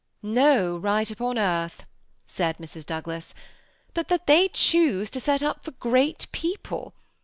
" No right upon earth," said Mrs. Douglas, " but that they choose to set up for great people.